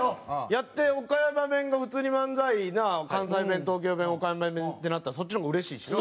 やって岡山弁が普通に漫才な関西弁東京弁岡山弁ってなったらそっちの方がうれしいしな。